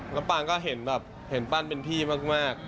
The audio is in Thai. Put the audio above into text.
แล้วปางก็เห็นแบบเห็นปั้นเป็นพี่มาก